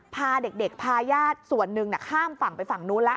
พาเด็กพาญาติส่วนหนึ่งข้ามฝั่งไปฝั่งนู้นแล้ว